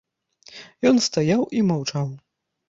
Ён стаяў і маўчаў.